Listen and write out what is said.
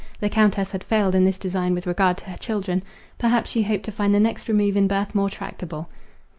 The Countess had failed in this design with regard to her children; perhaps she hoped to find the next remove in birth more tractable.